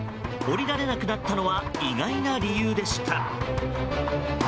降りられなくなったのは意外な理由でした。